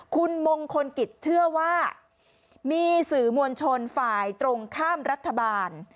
คุณมงคลกิจเชื่อว่ามีสื่อมวลชนฝ่ายตรงข้ามรัฐบาล